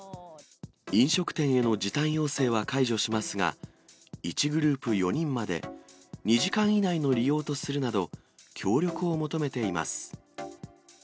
飲食店への時短要請は解除しますが、１グループ４人まで、２時間以内の利用とするなど、協力を求めています。